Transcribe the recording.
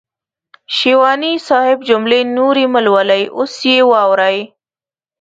شېواني صاحب جملې نورې مهلولئ اوس يې واورئ.